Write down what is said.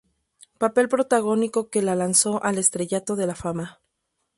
Papel protagónico que la lanzó al estrellato de la fama.